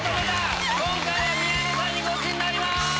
今回は宮野さんにゴチになります。